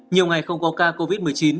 nhiều ngày không có ca covid một mươi chín